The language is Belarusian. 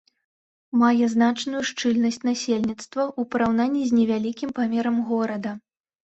Мае значную шчыльнасць насельніцтва, у параўнанні з невялікім памерам горада.